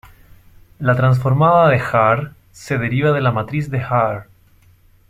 La transformada de Haar se deriva de la matriz de Haar.